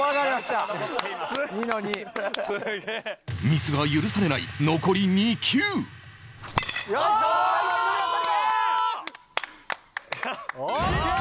ミスが許されない残り２球よいしょ！